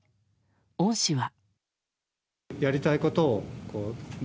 恩師は。